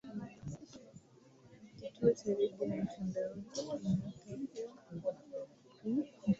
kituo cha redio ya mtandaoni kinatakuwa kuwa na uwezo mkubwa sanas